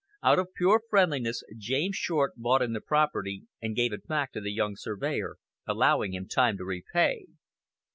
Out of pure friendliness, James Short bought in the property and gave it back to the young surveyor, allowing him time to repay.